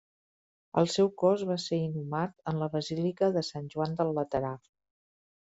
El seu cos va ser inhumat en la Basílica de Sant Joan del Laterà.